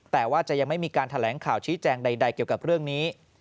แต่ว่าจะยังไม่มีการแถลงข่าวชี้แจงใดเกี่ยวกับเรื่องนี้